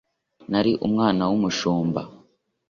nari umwana w’umushumba